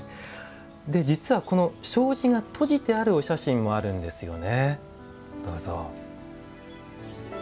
実は、この障子が閉じてあるお写真もあるんですよね。